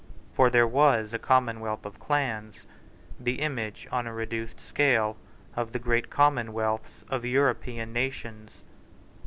For there was a commonwealth of clans, the image, on a reduced scale, of the great commonwealth of European nations.